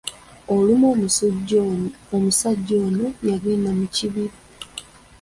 Olumu omusajja ono yagenda mu kibira.